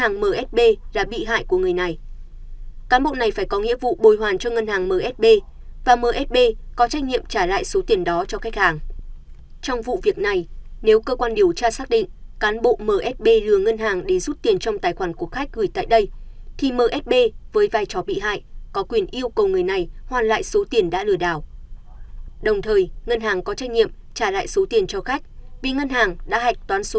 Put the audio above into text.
ai là bị hại trong vụ án ngân hàng hay khách hàng và sẽ có những cách trả lại tiền khác nhau